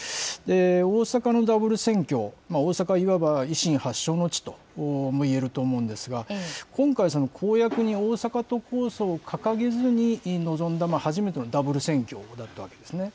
大阪のダブル選挙、大阪は、いわば維新の発祥の地ともいえると思うんですが、今回、公約に大阪都構想を掲げずに臨んだ、初めてのダブル選挙だったわけですね。